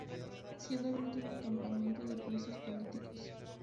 Siendo el último campamento de presos políticos.